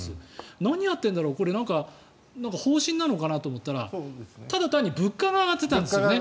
何やってるんだろうこれ、何か方針なのかなと思っていたらただ単に物価が上がってたんですね。